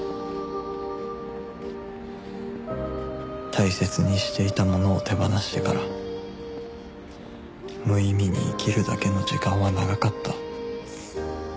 大切にしていたものを手放してから無意味に生きるだけの時間は長かった